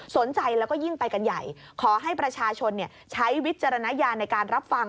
สนใจแล้วก็ยิ่งไปกันใหญ่ขอให้ประชาชนใช้วิจารณญาณในการรับฟัง